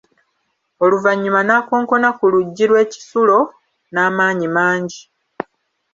Oluvannyuma n'akonkona ku luggi lw'ekisulo n'amaanyi mangi.